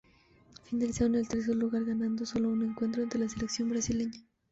Finalizaron en el tercer lugar, ganando sólo un encuentro ante la selección brasileña.